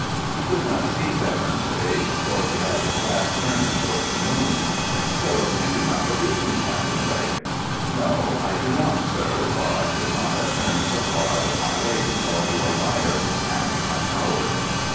He could not see Severn's face, for he had his back turned towards the moon. "So you do not believe me, Captain Blake?" "No, I do not, sir; or I should not have turned so far out of my way to call you a liar and a coward."